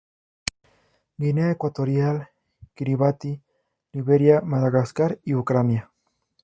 Guinea Ecuatorial, Kiribati, Liberia, Madagascar y Ucrania.